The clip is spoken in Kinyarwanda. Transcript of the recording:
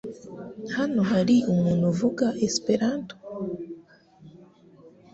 Hano hari umuntu uvuga Esperanto?